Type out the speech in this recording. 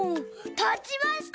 たちました！